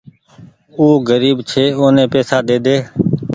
او گريب ڇي اوني پئيسا ڏيڌي۔